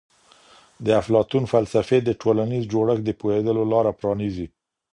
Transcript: د افلاطون فلسفې د ټولنیز جوړښت د پوهېدلو لاره پرانیزي.